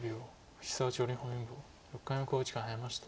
藤沢女流本因坊６回目の考慮時間に入りました。